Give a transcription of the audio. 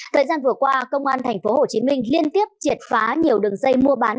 thời gian vừa qua công an tp hcm liên tiếp triệt phá nhiều đường dây mua bán